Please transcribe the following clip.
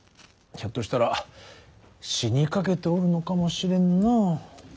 ひょっとしたら死にかけておるのかもしれんな。